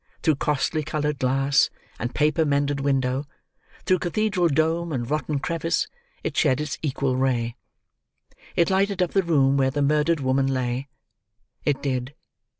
Through costly coloured glass and paper mended window, through cathedral dome and rotten crevice, it shed its equal ray. It lighted up the room where the murdered woman lay. It did.